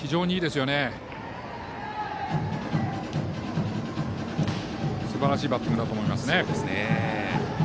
すばらしいバッティングだと思います。